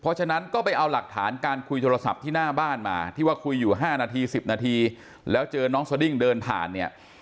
เพราะฉะนั้นก็ไปเอาหลักฐานการคุยโทรศัพท์ที่หน้าบ้านมาที่ว่าคุยอยู่๕นาที๑๐นาทีแล้วเจอน้องสดิ้งเดินผ่านเนี่ย